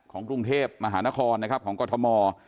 กรุงเทพมหานครนะครับของกรทม